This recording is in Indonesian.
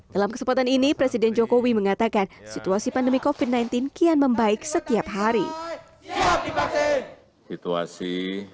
dalam kesempatan ini presiden jokowi mengadakan pelaksanaan vaksinasi di sepuluh provinsi